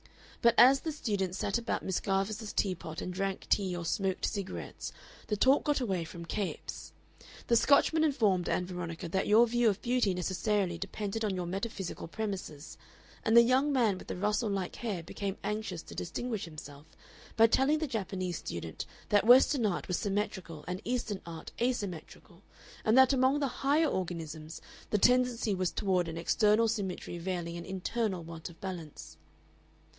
But as the students sat about Miss Garvice's tea pot and drank tea or smoked cigarettes, the talk got away from Capes. The Scotchman informed Ann Veronica that your view of beauty necessarily depended on your metaphysical premises, and the young man with the Russell like hair became anxious to distinguish himself by telling the Japanese student that Western art was symmetrical and Eastern art asymmetrical, and that among the higher organisms the tendency was toward an external symmetry veiling an internal want of balance.